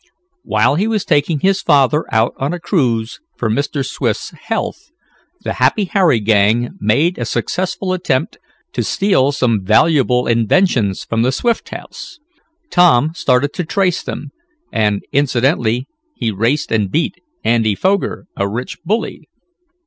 While he was taking his father out on a cruise for Mr. Swift's health, the Happy Harry Gang made a successful attempt to steal some valuable inventions from the Swift house. Tom started to trace them, and incidentally he raced and beat Andy Foger, a rich bully.